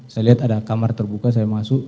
saya lihat ada kamar terbuka saya masuk